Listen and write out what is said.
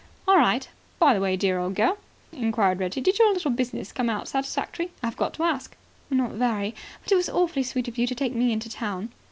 "All right." "By the way, dear old girl," inquired Reggie, "did your little business come out satisfactorily? I forgot to ask." "Not very. But it was awfully sweet of you to take me into town."